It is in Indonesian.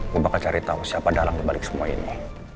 gue bakal cari tahu siapa dalang dibalik semua ini